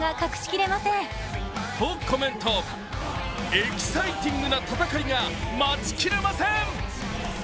エキサイティングな戦いが待ち切れません。